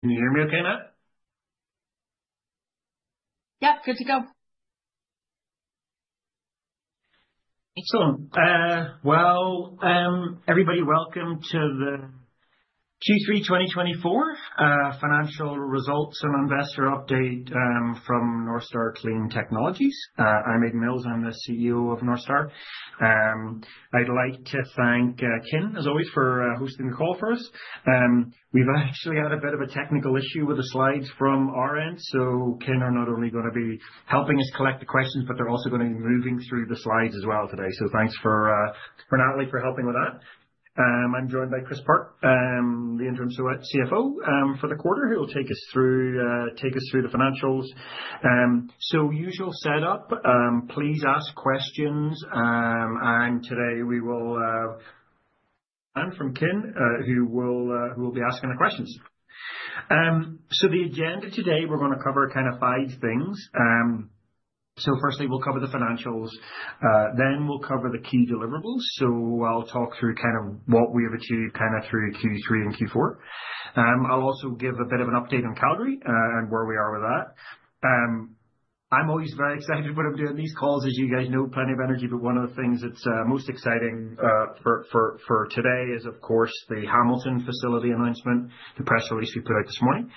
Can you hear me okay now? Yeah, good to go. Excellent. Well, everybody, welcome to the Q3 2024 financial results and investor update from Northstar Clean Technologies. I'm Aidan Mills. I'm the CEO of Northstar. I'd like to thank Ken, as always, for hosting the call for us. We've actually had a bit of a technical issue with the slides from our end. So, Ken, is not only going to be helping us collect the questions, but they're also going to be moving through the slides as well today. So thanks to Natalie for helping with that. I'm joined by Chris Park, the interim CFO for the quarter. He'll take us through the financials. So usual setup, please ask questions. And today we will have a Q&A from Ken, who will be asking the questions. So the agenda today, we're going to cover kind of five things. So firstly, we'll cover the financials. Then we'll cover the key deliverables. I'll talk through kind of what we have achieved kind of through Q3 and Q4. I'll also give a bit of an update on Calgary and where we are with that. I'm always very excited when I'm doing these calls, as you guys know, plenty of energy. But one of the things that's most exciting for today is, of course, the Hamilton facility announcement, the press release we put out this morning.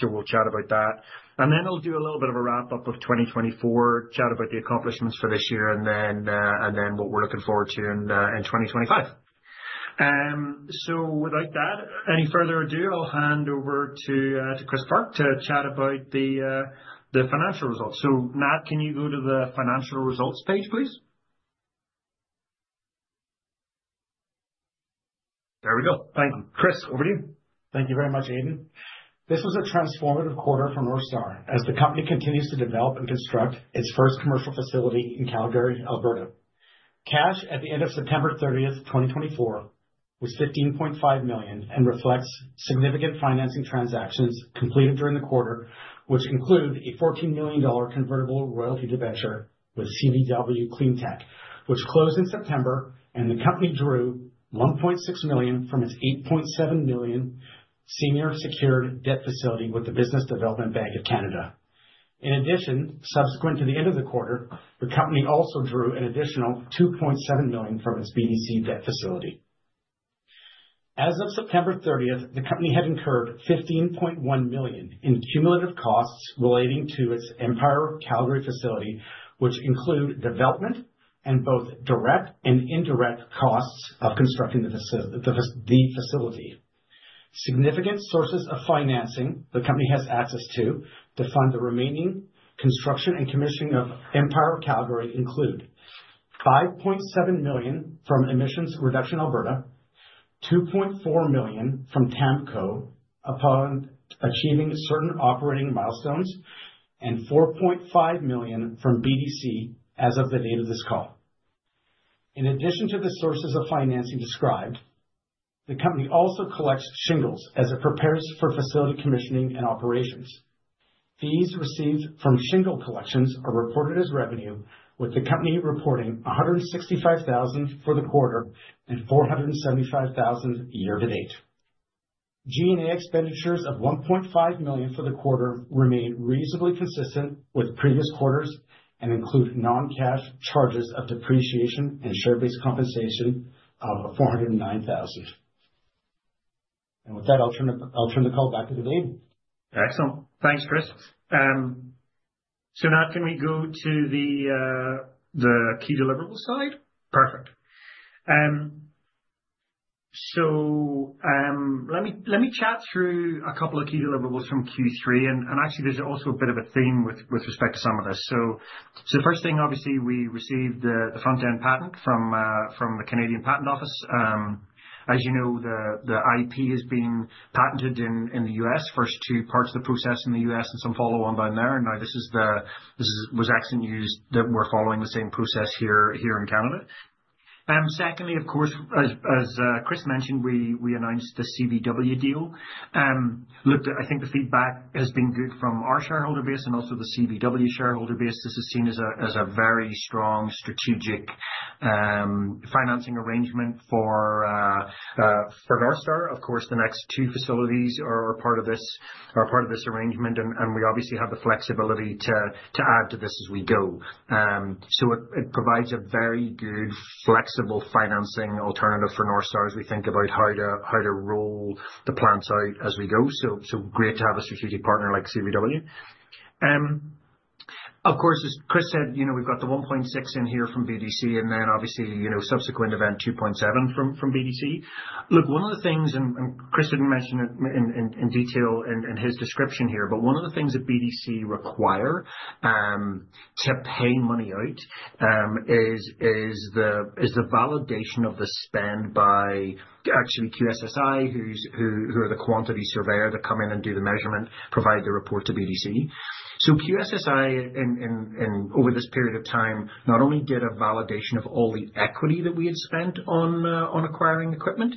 So we'll chat about that. And then I'll do a little bit of a wrap-up of 2024, chat about the accomplishments for this year, and then what we're looking forward to in 2025. So without any further ado, I'll hand over to Chris Park to chat about the financial results. So Nat, can you go to the financial results page, please? There we go. Thank you. Chris, over to you. Thank you very much, Aidan. This was a transformative quarter for Northstar as the company continues to develop and construct its first commercial facility in Calgary, Alberta. Cash at the end of September 30th, 2024, was 15.5 million and reflects significant financing transactions completed during the quarter, which include a 14 million dollar convertible royalty debenture with CVW CleanTech, which closed in September, and the company drew 1.6 million from its 8.7 million senior secured debt facility with the Business Development Bank of Canada. In addition, subsequent to the end of the quarter, the company also drew an additional 2.7 million from its BDC debt facility. As of September 30th, the company had incurred 15.1 million in cumulative costs relating to its Empower Calgary facility, which include development and both direct and indirect costs of constructing the facility. Significant sources of financing the company has access to fund the remaining construction and commissioning of Empire Calgary include 5.7 million from Emissions Reduction Alberta, 2.4 million from TAMKO upon achieving certain operating milestones, and 4.5 million from BDC as of the date of this call. In addition to the sources of financing described, the company also collects shingles as it prepares for facility commissioning and operations. Fees received from shingle collections are reported as revenue, with the company reporting 165,000 for the quarter and 475,000 year to date. G&A expenditures of 1.5 million for the quarter remain reasonably consistent with previous quarters and include non-cash charges of depreciation and share-based compensation of 409,000, and with that, I'll turn the call back to the table. Excellent. Thanks, Chris. So Nat, can we go to the key deliverable side? Perfect. So let me chat through a couple of key deliverables from Q3. And actually, there's also a bit of a theme with respect to some of this. So the first thing, obviously, we received the front-end patent from the Canadian Patent Office. As you know, the IP has been patented in the U.S., first two parts of the process in the U.S. and some follow-on down there. And now this was excellent news that we're following the same process here in Canada. Secondly, of course, as Chris mentioned, we announced the CVW deal. I think the feedback has been good from our shareholder base and also the CVW shareholder base. This is seen as a very strong strategic financing arrangement for Northstar. Of course, the next two facilities are part of this arrangement, and we obviously have the flexibility to add to this as we go. So it provides a very good flexible financing alternative for Northstar as we think about how to roll the plants out as we go. So great to have a strategic partner like CVW. Of course, as Chris said, we've got the 1.6 in here from BDC, and then obviously subsequent event 2.7 from BDC. Look, one of the things, and Chris didn't mention it in detail in his description here, but one of the things that BDC require to pay money out is the validation of the spend by actually QSI, who are the quantity surveyor that come in and do the measurement, provide the report to BDC. QSI, over this period of time, not only did a validation of all the equity that we had spent on acquiring equipment,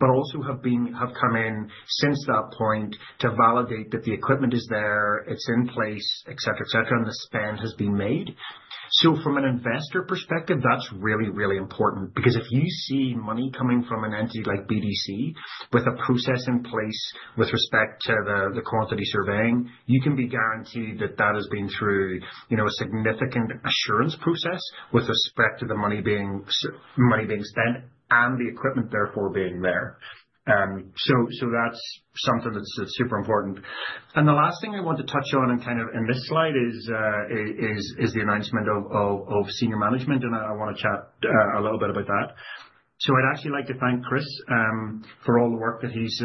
but also have come in since that point to validate that the equipment is there, it's in place, etc., etc., and the spend has been made. From an investor perspective, that's really, really important because if you see money coming from an entity like BDC with a process in place with respect to the quantity surveying, you can be guaranteed that that has been through a significant assurance process with respect to the money being spent and the equipment therefore being there. That's something that's super important. The last thing I want to touch on kind of in this slide is the announcement of senior management, and I want to chat a little bit about that. So I'd actually like to thank Chris for all the work that he's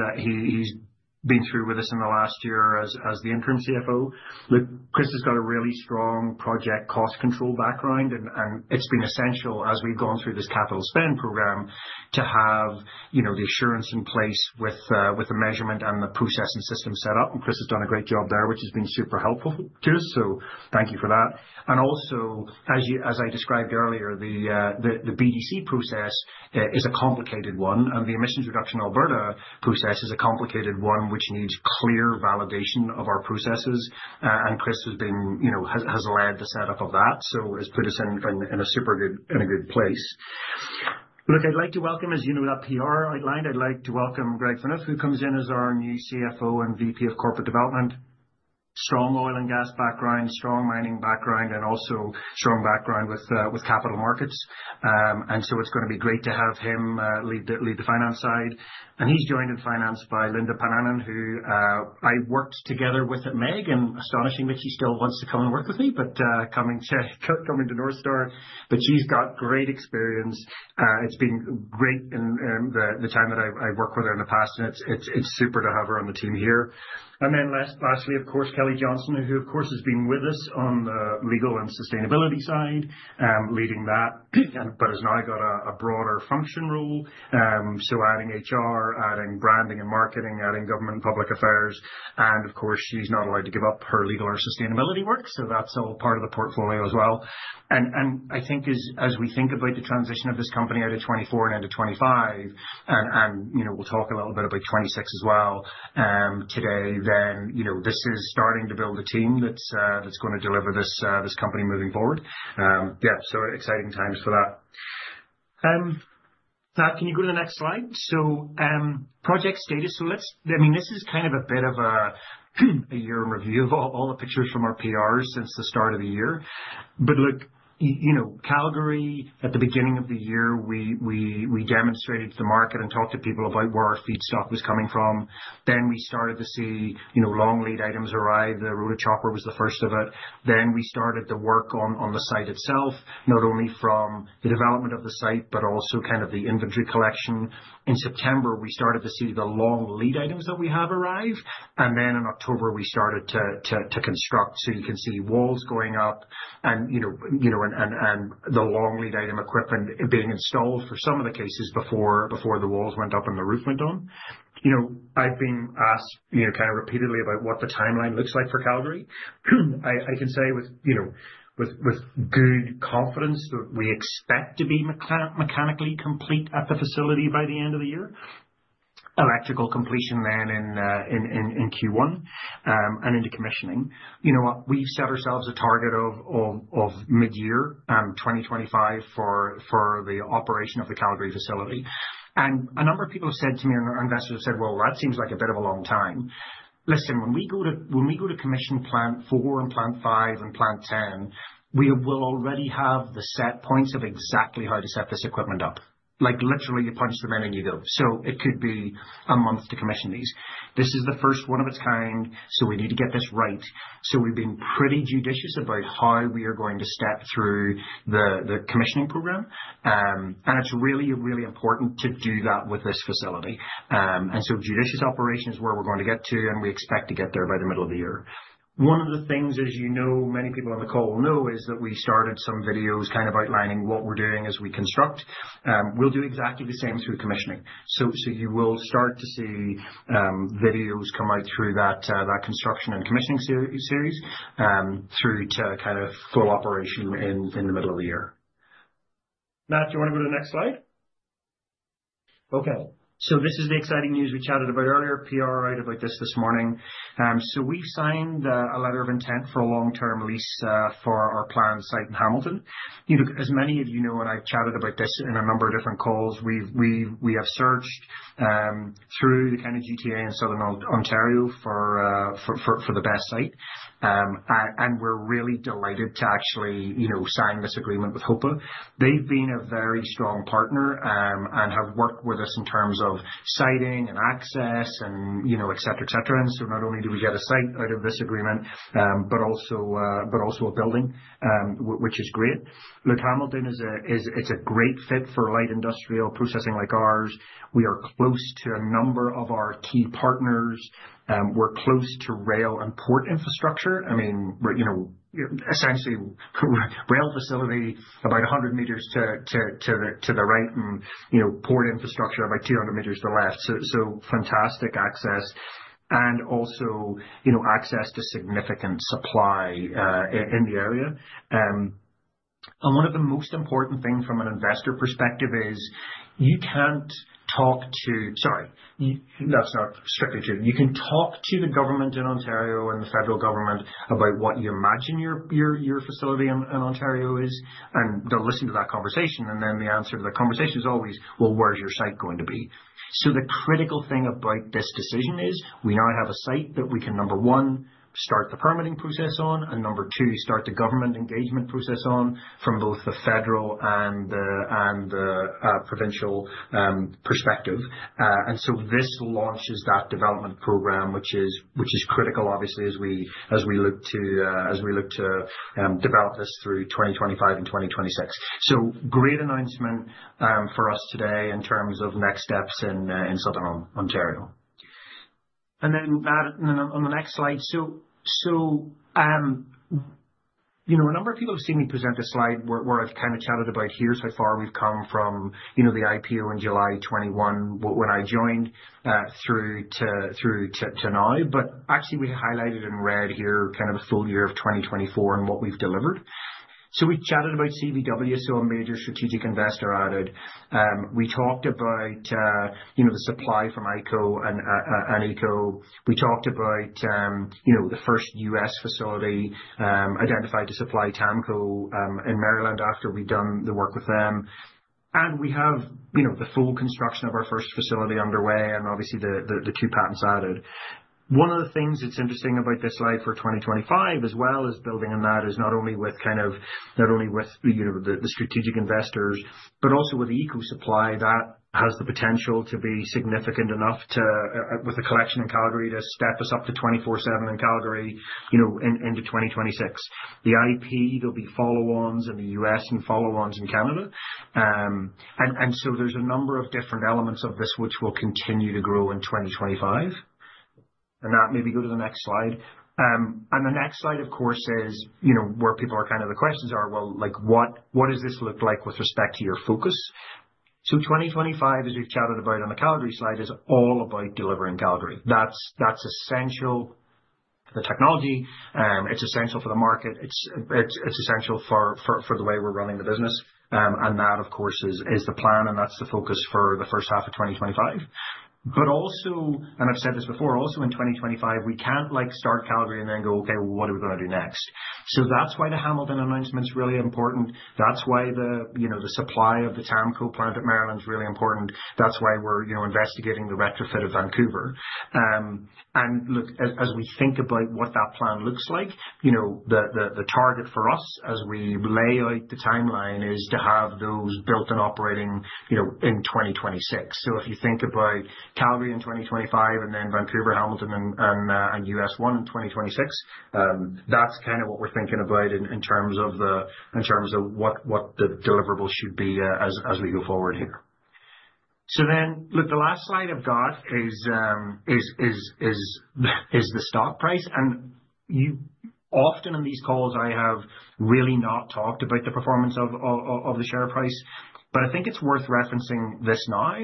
been through with us in the last year as the interim CFO. Look, Chris has got a really strong project cost control background, and it's been essential as we've gone through this capital spend program to have the assurance in place with the measurement and the process and system set up. And Chris has done a great job there, which has been super helpful to us. So thank you for that. And also, as I described earlier, the BDC process is a complicated one, and the Emissions Reduction Alberta process is a complicated one, which needs clear validation of our processes. And Chris has led the setup of that, so it's put us in a super good place. Look, I'd like to welcome, as you know, that PR outlined. I'd like to welcome Greg Funnell, who comes in as our new CFO and VP of Corporate Development, strong oil and gas background, strong mining background, and also strong background with capital markets. And so it's going to be great to have him lead the finance side. And he's joined in finance by Linda Pannanen, who I worked together with at MEG. And astonishing that she still wants to come and work with me, but coming to Northstar. But she's got great experience. It's been great in the time that I've worked with her in the past, and it's super to have her on the team here. And then lastly, of course, Kelly Johnson, who, of course, has been with us on the legal and sustainability side, leading that, but has now got a broader function role. So adding HR, adding branding and marketing, adding government and public affairs. Of course, she's not allowed to give up her legal or sustainability work. So that's all part of the portfolio as well. I think as we think about the transition of this company out of 2024 and into 2025, and we'll talk a little bit about 2026 as well today, then this is starting to build a team that's going to deliver this company moving forward. Yeah, so exciting times for that. Nat, can you go to the next slide? So project status. I mean, this is kind of a bit of a year in review of all the pictures from our PRs since the start of the year. But look, Calgary, at the beginning of the year, we demonstrated to the market and talked to people about where our feedstock was coming from. Then we started to see long lead items arrive. The Rotochopper was the first of it. Then we started the work on the site itself, not only from the development of the site, but also kind of the shingle collections. In September, we started to see the long lead items that we have arrive. And then in October, we started to construct. So you can see walls going up and the long lead item equipment being installed for some of the cases before the walls went up and the roof went down. I've been asked kind of repeatedly about what the timeline looks like for Calgary. I can say with good confidence that we expect to be mechanically complete at the facility by the end of the year. Electrical completion then in Q1 and into commissioning. We've set ourselves a target of mid-year 2025 for the operation of the Calgary facility. A number of people have said to me, investors have said, "Well, that seems like a bit of a long time." Listen, when we go to commission plant four and plant five and plant ten, we will already have the set points of exactly how to set this equipment up. Literally, you punch them in and you go. So it could be a month to commission these. This is the first one of its kind, so we need to get this right. So we've been pretty judicious about how we are going to step through the commissioning program. And it's really, really important to do that with this facility. And so judicious operation is where we're going to get to, and we expect to get there by the middle of the year. One of the things, as you know, many people on the call will know, is that we started some videos kind of outlining what we're doing as we construct. We'll do exactly the same through commissioning. So you will start to see videos come out through that construction and commissioning series through to kind of full operation in the middle of the year. Nat, do you want to go to the next slide? Okay. So this is the exciting news we chatted about earlier, PR item about this morning. So we've signed a letter of intent for a long-term lease for our planned site in Hamilton. As many of you know, and I've chatted about this in a number of different calls, we have searched through the kind of GTA in Southern Ontario for the best site. And we're really delighted to actually sign this agreement with HOPA. They've been a very strong partner and have worked with us in terms of siting and access, etc., etc. And so not only do we get a site out of this agreement, but also a building, which is great. Look, Hamilton, it's a great fit for light industrial processing like ours. We are close to a number of our key partners. We're close to rail and port infrastructure. I mean, essentially, rail facility about 100 meters to the right and port infrastructure about 200 meters to the left. So fantastic access and also access to significant supply in the area. And one of the most important things from an investor perspective is you can't talk to, sorry, that's not strictly true. You can talk to the government in Ontario and the federal government about what you imagine your facility in Ontario is, and they'll listen to that conversation. And then the answer to that conversation is always, "Well, where's your site going to be?" So the critical thing about this decision is we now have a site that we can, number one, start the permitting process on, and number two, start the government engagement process on from both the federal and the provincial perspective. And so this launches that development program, which is critical, obviously, as we look to develop this through 2025 and 2026. So great announcement for us today in terms of next steps in Southern Ontario. And then on the next slide, so a number of people have seen me present a slide where I've kind of chatted about here's how far we've come from the IPO in July 2021 when I joined through to now. But actually, we highlighted in red here kind of a full year of 2024 and what we've delivered. So we chatted about CVW, so a major strategic investor added. We talked about the supply from IKO and EMCO. We talked about the first U.S. facility identified to supply TAMKO in Maryland after we'd done the work with them. And we have the full construction of our first facility underway and obviously the two patents added. One of the things that's interesting about this slide for 2025 as well as building on that is not only with the strategic investors, but also with the EMCO supply that has the potential to be significant enough with the collection in Calgary to step us up to 24/7 in Calgary into 2026. The IP, there'll be follow-ons in the US and follow-ons in Canada. And so there's a number of different elements of this which will continue to grow in 2025. And that may be good on the next slide. And the next slide, of course, is where people are kind of the questions are, "Well, what does this look like with respect to your focus?" So 2025, as we've chatted about on the Calgary slide, is all about delivering Calgary. That's essential for the technology. It's essential for the market. It's essential for the way we're running the business. And that, of course, is the plan, and that's the focus for the first half of 2025. But also, and I've said this before, also in 2025, we can't start Calgary and then go, "Okay, what are we going to do next?" So that's why the Hamilton announcement's really important. That's why the supply of the TAMKO plant at Maryland's really important. That's why we're investigating the retrofit of Vancouver. And look, as we think about what that plan looks like, the target for us as we lay out the timeline is to have those built and operating in 2026. So if you think about Calgary in 2025 and then Vancouver, Hamilton, and US1 in 2026, that's kind of what we're thinking about in terms of what the deliverable should be as we go forward here. Look, the last slide I've got is the stock price. Often in these calls, I have really not talked about the performance of the share price. But I think it's worth referencing this now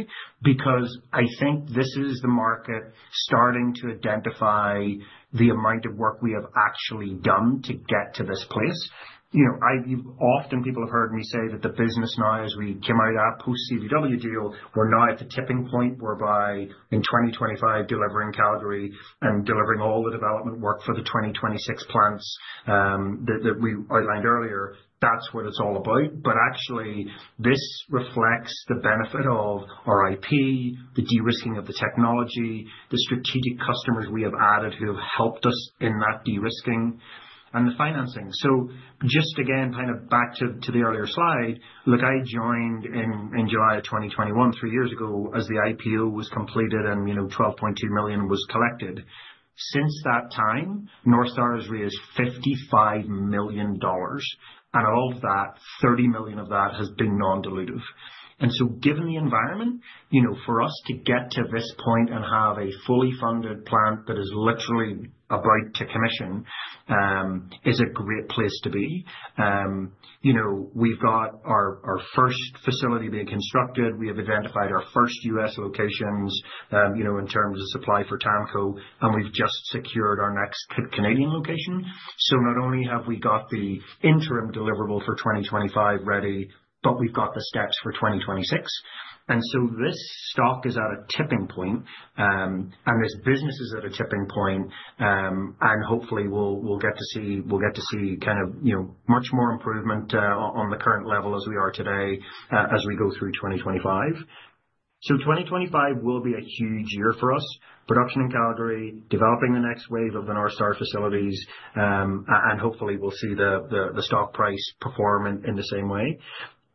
because I think this is the market starting to identify the amount of work we have actually done to get to this place. Often people have heard me say that the business now, as we came out of that post-CVW deal, we're now at the tipping point whereby in 2025, delivering Calgary and delivering all the development work for the 2026 plants that we outlined earlier, that's what it's all about. But actually, this reflects the benefit of our IP, the de-risking of the technology, the strategic customers we have added who have helped us in that de-risking, and the financing. So just again, kind of back to the earlier slide, look, I joined in July of 2021, three years ago as the IPO was completed and 12.2 million was collected. Since that time, Northstar has raised 55 million dollars, and of that, 30 million of that has been non-dilutive. And so given the environment, for us to get to this point and have a fully funded plant that is literally about to commission is a great place to be. We've got our first facility being constructed. We have identified our first U.S. locations in terms of supply for TAMKO, and we've just secured our next Canadian location. So not only have we got the interim deliverable for 2025 ready, but we've got the steps for 2026. And so this stock is at a tipping point, and this business is at a tipping point. Hopefully, we'll get to see kind of much more improvement on the current level as we are today as we go through 2025. 2025 will be a huge year for us, production in Calgary, developing the next wave of the Northstar facilities, and hopefully, we'll see the stock price perform in the same way.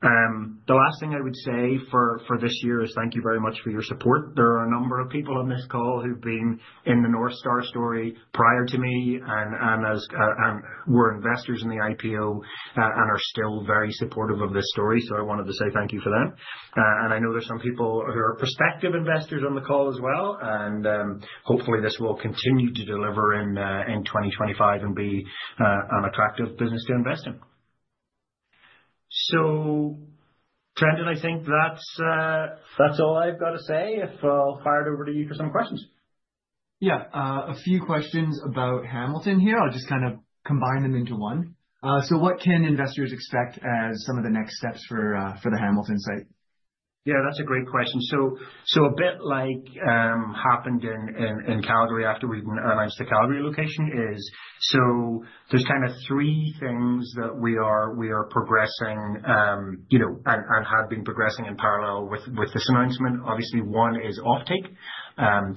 The last thing I would say for this year is thank you very much for your support. There are a number of people on this call who've been in the Northstar story prior to me and were investors in the IPO and are still very supportive of this story. I wanted to say thank you for them. I know there's some people who are prospective investors on the call as well. Hopefully, this will continue to deliver in 2025 and be an attractive business to invest in. So Aidan, I think that's all I've got to say. I'll fire it over to you for some questions. Yeah, a few questions about Hamilton here. I'll just kind of combine them into one. So what can investors expect as some of the next steps for the Hamilton site? Yeah, that's a great question. So a bit like happened in Calgary after we announced the Calgary location is so there's kind of three things that we are progressing and have been progressing in parallel with this announcement. Obviously, one is offtake.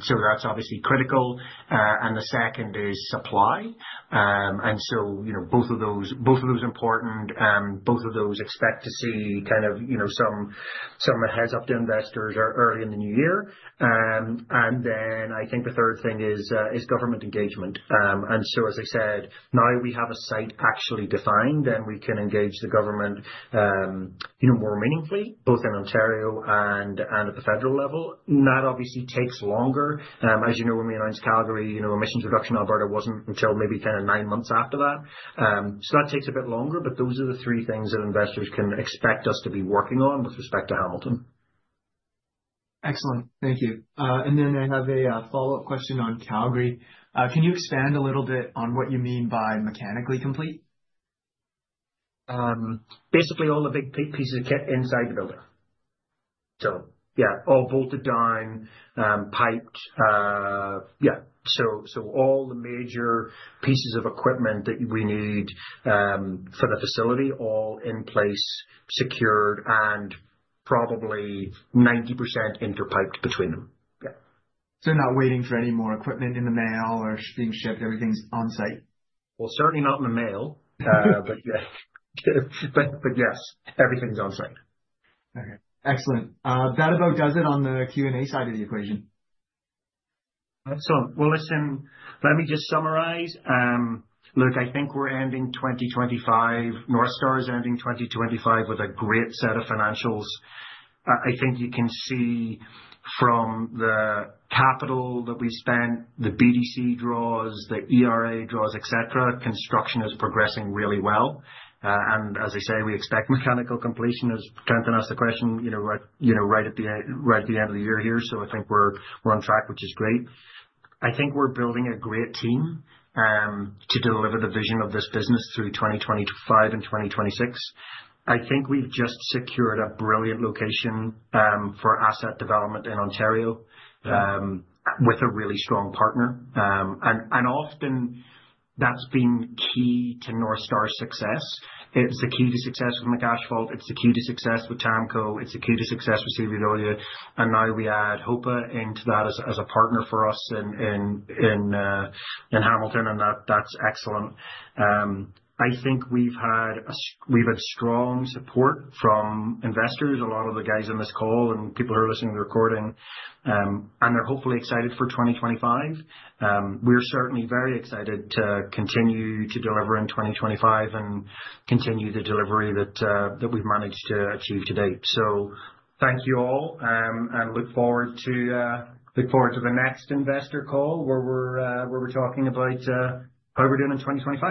So that's obviously critical. And the second is supply. And so both of those are important. Both of those expect to see kind of some heads-up to investors early in the new year. And then I think the third thing is government engagement. And so, as I said, now we have a site actually defined, then we can engage the government more meaningfully, both in Ontario and at the federal level. That obviously takes longer. As you know, when we announced Calgary, Emissions Reduction Alberta wasn't until maybe kind of nine months after that. So that takes a bit longer, but those are the three things that investors can expect us to be working on with respect to Hamilton. Excellent. Thank you. And then I have a follow-up question on Calgary. Can you expand a little bit on what you mean by mechanically complete? Basically, all the big pieces of kit inside the building. So yeah, all bolted down, piped. Yeah. So all the major pieces of equipment that we need for the facility, all in place, secured, and probably 90% interpiped between them. Yeah. So, not waiting for any more equipment in the mail or being shipped? Everything's on-site? Certainly not in the mail, but yes, everything's on-site. Okay. Excellent. That about does it on the Q&A side of the equation. Excellent. Well, listen, let me just summarize. Look, I think we're ending 2025. Northstar is ending 2025 with a great set of financials. I think you can see from the capital that we spent, the BDC draws, the ERA draws, etc., construction is progressing really well, and as I say, we expect mechanical completion, as Kenton asked the question, right at the end of the year here. So I think we're on track, which is great. I think we're building a great team to deliver the vision of this business through 2025 and 2026. I think we've just secured a brilliant location for asset development in Ontario with a really strong partner, and often, that's been key to Northstar's success. It's the key to success with McAsphalt. It's the key to success with TAMKO. It's the key to success with CVW. And now we add HOPA into that as a partner for us in Hamilton, and that's excellent. I think we've had strong support from investors, a lot of the guys on this call and people who are listening to the recording, and they're hopefully excited for 2025. We're certainly very excited to continue to deliver in 2025 and continue the delivery that we've managed to achieve today. So thank you all and look forward to the next investor call where we're talking about how how we've done in 2025.